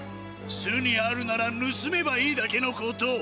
巣にあるならぬすめばいいだけのこと。